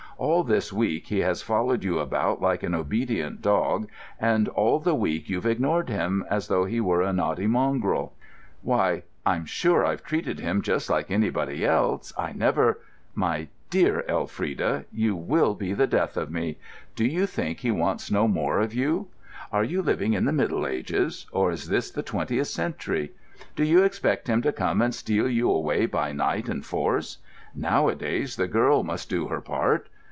All this week he has followed you about like an obedient dog, and all the week you've ignored him as though he were a naughty mongrel!" "Why, I'm sure I've treated him just like anybody else. I never——" "My dear Elfrida, you will be the death of me! Do you think he wants no more of you? Are you living in the Middle Ages, or is this the Twentieth century? Do you expect him to come and steal you away by night and force? Nowadays the girl must do her part.